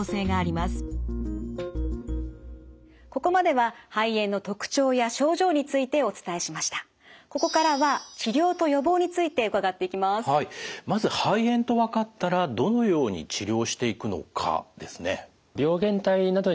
まず肺炎と分かったらどのように治療していくのかですね。